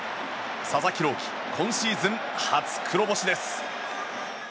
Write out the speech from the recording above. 佐々木朗希今シーズン初黒星です。